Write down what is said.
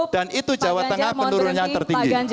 dan itu jawa tengah penurunan yang tertinggi